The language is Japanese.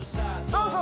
そう